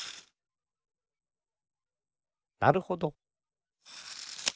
なるほど。